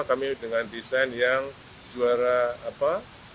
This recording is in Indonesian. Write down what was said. kami dengan desain yang juara apa